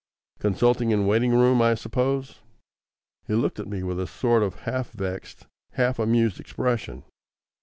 "Consulting and waiting room, I suppose?" He looked at me with a sort of half vexed, half amused expression.